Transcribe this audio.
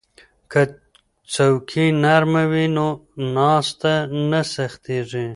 که څوکۍ نرمه وي نو ناسته نه سختیږي.